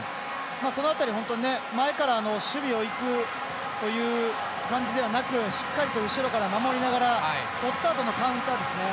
その辺り、本当に前から守備を行くという感じではなくしっかりと後ろから守りながらとったあとのカウンターですね。